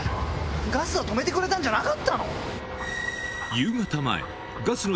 ガスは止めてくれたんじゃなかったの？